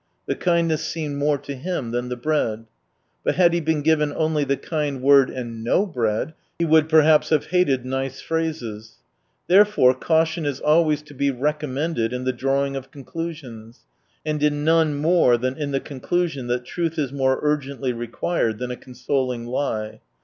The kindness seemed more to him than the bread. But had he been given only the kind word and no bread, he would perhaps have hated nice phrases. Therefore, caution is always to be recom mended in the drawing of conclusions : and in none more than in the conclusion that truth is more urgently required than a consoling lie.